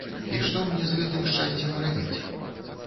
І што мне з гэтым шчасцем рабіць?